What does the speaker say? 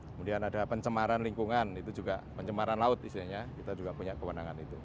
kemudian ada pencemaran lingkungan itu juga pencemaran laut istilahnya kita juga punya kewenangan itu